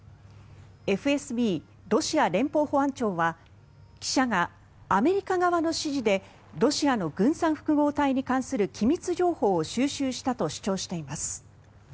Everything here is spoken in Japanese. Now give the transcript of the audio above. ＦＳＢ・ロシア連邦保安庁は記者がアメリカ側の指示でロシアの軍産複合体に関する機密情報を収集したと主張しています。